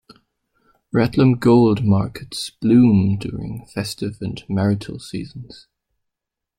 Ratlam gold markets bloom during festive and marital seasons.